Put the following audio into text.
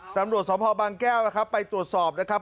ตำรวจสภบางแก้วนะครับไปตรวจสอบนะครับ